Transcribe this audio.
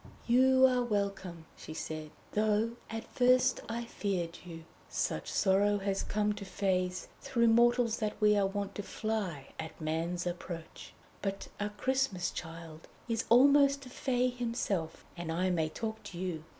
"You are welcome," she said, "though at first I feared you. Such sorrow has come to Fées through mortals that we are wont to fly at man's approach. But a Christmas Child is almost a Fée himself, and I may talk to you.